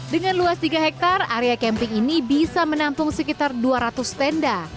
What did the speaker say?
dengan luas tiga hektare area camping ini bisa menampung sekitar dua ratus tenda